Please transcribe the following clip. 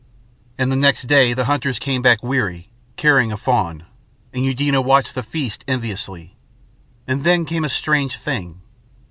And the next day the hunters came back weary, carrying a fawn, and Eudena watched the feast enviously. And then came a strange thing.